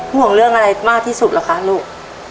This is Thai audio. ห่วงเรื่องอะไรมากที่สุดเหรอคะลูก